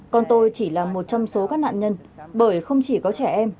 con tôi chỉ là một trong số các nạn nhân bởi không chỉ có trẻ em